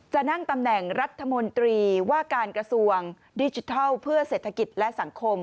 จะนั่งตำแหน่งรัฐมนตรีว่าการกระทรวงดิจิทัลเพื่อเศรษฐกิจและสังคม